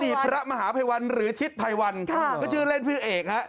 มีพระมหาภัยวันหรือทิศภัยวันก็ชื่อเล่นชื่อเอกฮะ